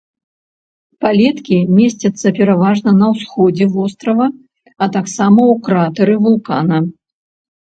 Палеткі месцяцца пераважна на ўсходзе вострава, а таксама ў кратэры вулкана.